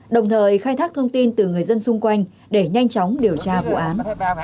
đồng thời khai thác thông tin từ người dân xung quanh để nhanh chóng điều tra vụ án